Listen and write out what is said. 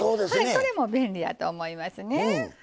それも便利やと思いますね。